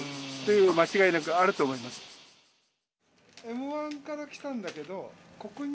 Ｍ１から来たんだけどここに。